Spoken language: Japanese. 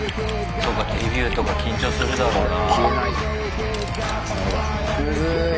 そうかデビューとか緊張するだろうな。